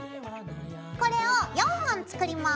これを４本作ります。